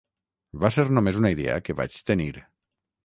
Va ser només una idea que vaig tenir.